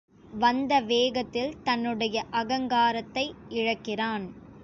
வந்த வேகத்தில் தன்னுடைய அகங்காரத்தை இழக்கிறான்.